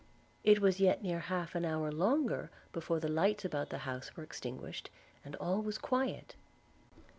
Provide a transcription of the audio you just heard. It was yet near half an hour longer before the lights about the house were extinguished, and all was quiet.